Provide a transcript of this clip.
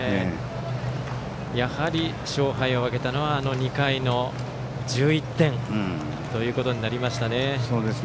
やはり、勝敗を分けたのは２回の１１点となりましたね。